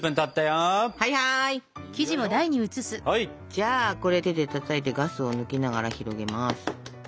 じゃあこれ手でたたいてガスを抜きながら広げます。